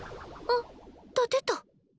あっ立てた！